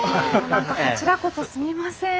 何かこちらこそすみません。